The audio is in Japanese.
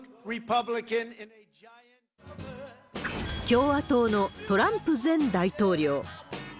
共和党のトランプ前大統領。